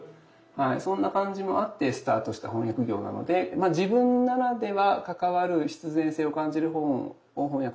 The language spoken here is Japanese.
そんな感じもあってスタートした翻訳業なので自分ならでは関わる必然性を感じる本を翻訳できたら一番幸せだなとは思ってて。